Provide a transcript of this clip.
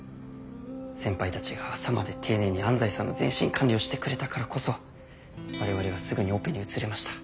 先輩たちが朝まで丁寧に安西さんの全身管理をしてくれたからこそわれわれはすぐにオペに移れました。